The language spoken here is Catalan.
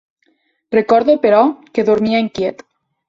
Recordo, però, que dormia inquiet